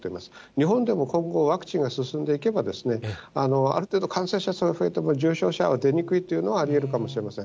日本でも今後、ワクチンが進んでいけば、ある程度感染者数が増えても、重症者は出にくいというのは、ありえるかもしれません。